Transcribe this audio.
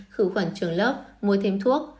khử khoản trường lớp mua thêm thuốc